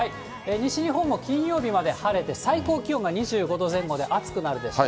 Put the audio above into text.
西日本も金曜日まで晴れて、最高気温が２５度前後で暑くなるでしょう。